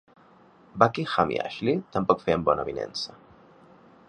Buckingham i Ashley tampoc feien bona avinença.